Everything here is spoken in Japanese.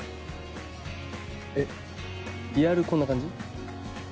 えっリアルこんな感じ？